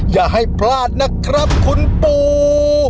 อย่าให้พลาดนะครับคุณปู่